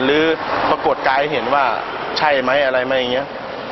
หรือปรากฏกายให้เห็นว่าใช่ไหมอะไรไหมอย่างนี้